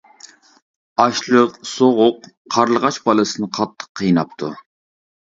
ئاچلىق، سوغۇق قارلىغاچ بالىسىنى قاتتىق قىيناپتۇ.